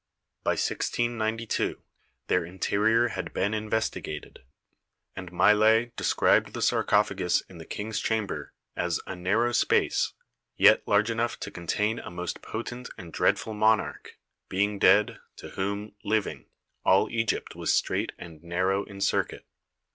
By 1692 their interior had been in vestigated, and Maillet described the sarcophagus in the king's chamber as 'A narrow space, yet large enough to conteine a most potent and dread ful monarch, being dead, to whom, living, all Egypt was straight and narrow in circuit."